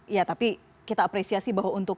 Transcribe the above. iya tapi kita apresiasi bahwa untuk